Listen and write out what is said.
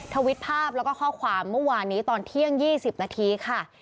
ทวิตภาพแล้วก็ข้อความเมื่อวานนี้ตอนเที่ยง๒๐นาทีค่ะ